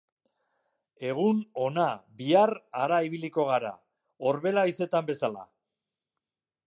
Egun hona, bihar hara ibiliko gara; orbela haizetan bezala.